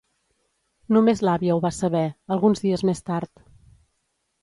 Només l'àvia ho va saber, alguns dies més tard.